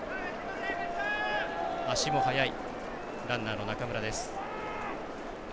足も速いランナーの中村です。